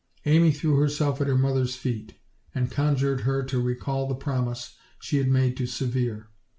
Amy threw herself at her mother's feet, and conjured her to recall the promise she had made to Severe.